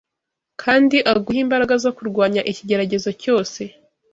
kandi aguhe imbaraga zo kurwanya ikigeragezo cyose